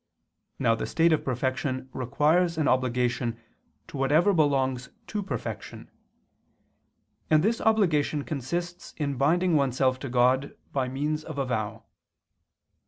Now the state of perfection requires an obligation to whatever belongs to perfection: and this obligation consists in binding oneself to God by means of a vow.